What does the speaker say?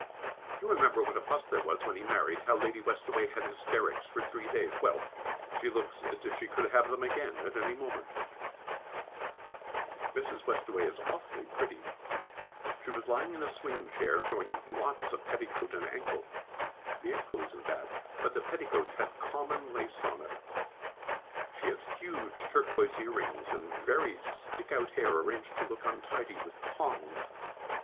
You remember what a fuss there was when he married, how Lady Westaway had hysterics for three days. Well, she looks as if she could have them again any moment. [Sidenote: An Attractive Woman] Mrs. Westaway is awfully pretty. She was lying in a swing chair, showing lots of petticoat and ankle. The ankle isn't bad, but the petticoat had common lace on it. She has huge turquoise earrings, and very stick out hair arranged to look untidy with tongs.